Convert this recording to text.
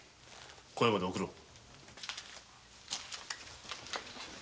小屋まで送ろう。